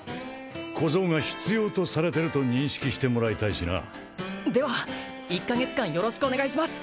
小僧が必要とされてると認識してもらいたいしなでは１カ月間よろしくお願いします！